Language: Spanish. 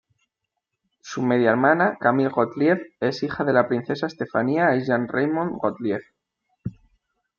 Su media hermana, Camille Gottlieb, es hija de la Princesa Estefanía y Jean-Raymond Gottlieb.